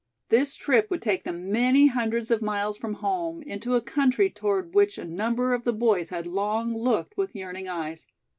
This trip would take them many hundreds of miles from home, into a country toward which a number of the boys had long looked with yearning eyes.